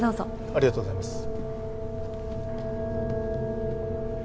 ありがとうございます。